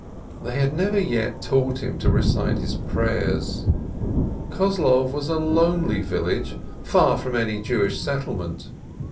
They had never yet taught him to recite his prayers. Kozlov was a lonely village, far from any Jewish set tlement.